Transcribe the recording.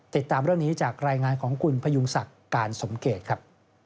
ติดตามเรื่องนี้จากรายงานของคุณพยุงศักดิ์การสมเกตครับ